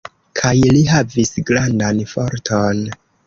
Kaj li havis grandan forton.